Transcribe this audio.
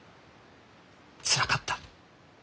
つらかった。